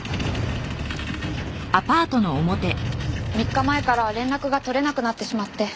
「」３日前から連絡が取れなくなってしまって。